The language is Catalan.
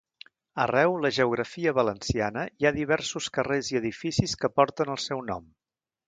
Arreu la geografia valenciana hi ha diversos carrers i edificis que porten el seu nom.